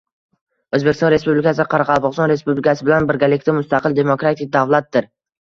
O`zbekiston Respublikasi Qoraqalpog`iston Respublikasi bilan birgalikda mustaqil, demokratik davlatdir